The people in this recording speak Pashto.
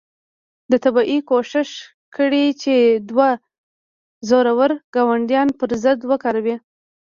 ده طبیعي کوښښ کړی چې دوه زورور ګاونډیان پر ضد وکاروي.